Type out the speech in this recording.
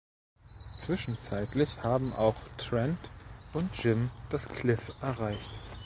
Zwischenzeitlich haben auch Trent und Jim das Kliff erreicht.